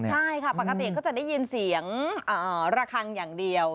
ใช่ค่ะปกติก็จะได้ยินเสียงระคังอย่างเดียว